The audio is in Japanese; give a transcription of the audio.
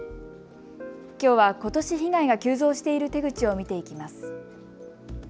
きょうは、ことし被害が急増している手口を見ていきます。